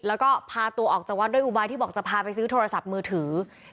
แล้วก็พาตัวออกจากวัดด้วยอุบายที่บอกจะพาไปซื้อโทรศัพท์มือถือ